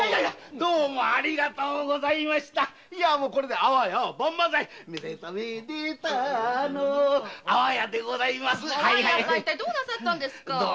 どうなさったんですか？